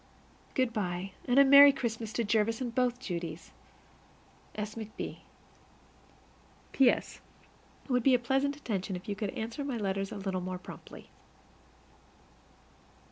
Good by, and a merry Christmas to Jervis and both Judies. S. McB. P.S. It would be a pleasant attention if you would answer my letters a little more promptly.